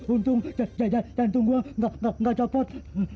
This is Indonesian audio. untung jantung gue gak copot